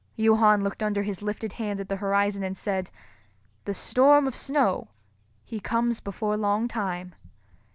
Johann looked under his lifted hand at the horizon and said, "The storm of snow, he comes before long time."